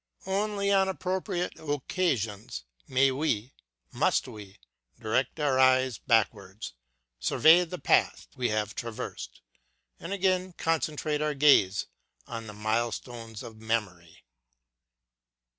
Only on appro priate occasions may we, must we, direct our eyes backwards, survey the path we have traversed, and again concentrate our gaze on the milestones of memory.